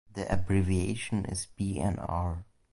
The abbreviation is Bnr.